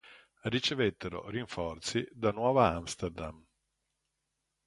Ricevettero rinforzi da Nuova Amsterdam.